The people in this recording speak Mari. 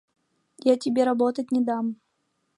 Я тебе работать не дам...